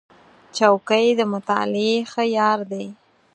چوکۍ د مطالعې ښه یار دی.